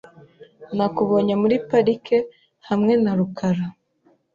Nakubonye muri parike hamwe na rukara .